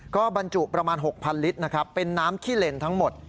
ก็บรรจุประมาณ๖๐๐ลิตรนะครับเป็นน้ำขี้เลนทั้งหมด